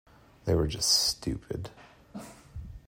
They were just stupid.